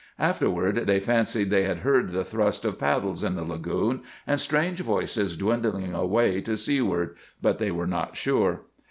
Afterward they fancied they had heard the thrust of paddles in the lagoon and strange voices dwindling away to seaward, but they were not sure.